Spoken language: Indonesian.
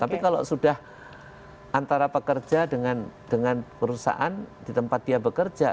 tapi kalau sudah antara pekerja dengan perusahaan di tempat dia bekerja